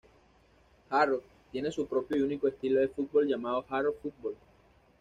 Harrow tiene su propio y único estilo de fútbol llamado Harrow Football.